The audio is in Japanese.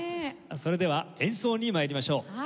それでは演奏に参りましょう。